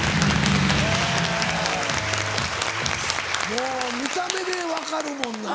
もう見た目で分かるもんな。